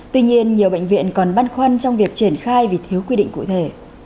tuy nhiên nhiều bệnh viện còn băn khoăn trong việc triển khai vì thiếu quy định cụ thể